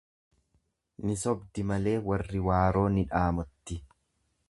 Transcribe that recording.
Ni sobdi malee warri waaroo ni dhaamotti.